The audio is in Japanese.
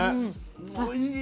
おいしい！